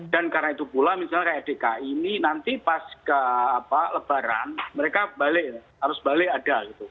dan karena itu pula misalnya kayak dki ini nanti pas ke lebaran mereka balik harus balik ada